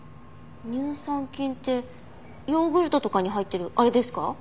乳酸菌ってヨーグルトとかに入ってるあれですか？